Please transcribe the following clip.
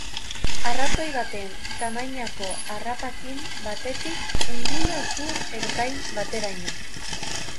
Arratoi baten tamainako harrapakin batetik ungulatu ertain bateraino.